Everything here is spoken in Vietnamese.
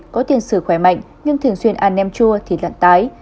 có tiền sử khỏe mạnh nhưng thường xuyên ăn nem chua thì lặn tái